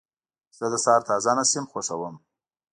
زه د سهار تازه نسیم خوښوم.